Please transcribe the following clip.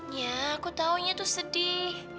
nya aku tau nya tuh sedih